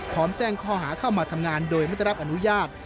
แจ้งข้อหาเข้ามาทำงานโดยไม่ได้รับอนุญาต